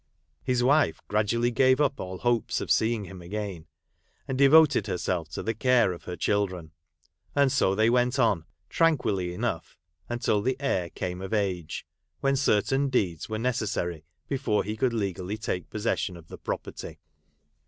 His wife gradually gave up all hopes of seeing him again, and devoted herself to the care of her children; and so they went on, tranquilly enough, until the heircame of age, whencertain deeds were necessary before he could legally take possession of the property.